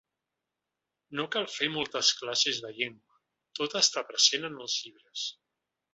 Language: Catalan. No cal fer moltes classes de llengua, tot està present en els llibres.